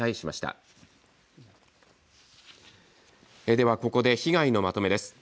では、ここで被害のまとめです。